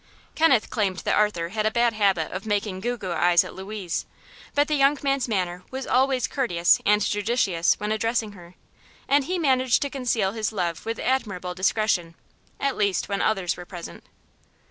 Kenneth claimed that Arthur had a bad habit of "making goo goo eyes" at Louise; but the young man's manner was always courteous and judicious when addressing her, and he managed to conceal his love with admirable discretion at least when others were present.